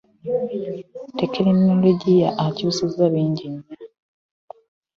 Tekinologiya akyusizza bingi nnyo .